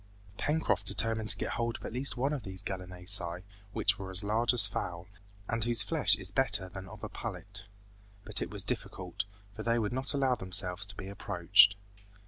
Pencroft determined to get hold of at least one of these gallinaceae, which were as large as a fowl, and whose flesh is better than that of a pullet. But it was difficult, for they would not allow themselves to be approached.